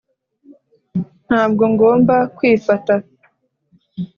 ntabwo ngomba kwifata.